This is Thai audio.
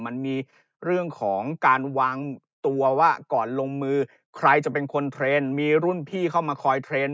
มันมีเรื่องของการวางตัวว่าก่อนลงมือใครจะเป็นคนเทรนด์มีรุ่นพี่เข้ามาคอยเทรนด์